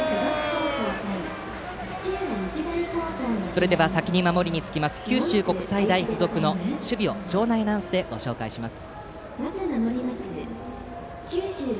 それでは先に守りにつきます九州国際大付属の守備をご紹介します。